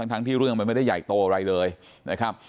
ทั้งที่เรื่องมันไม่ได้ใหญ่โตอะไรเลยนะครับ